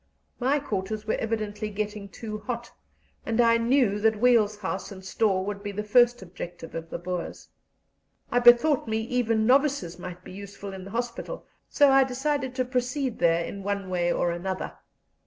My quarters were evidently getting too hot, and I knew that Weil's house and store would be the first objective of the Boers. I bethought me even novices might be useful in the hospital, so I decided to proceed there in one way or another.